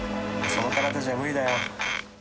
その体じゃ無理だよ。